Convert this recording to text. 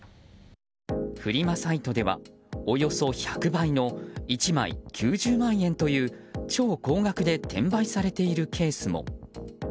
フリマサイトではおよそ１００倍の１枚９０万円という超高額で転売されているケースも。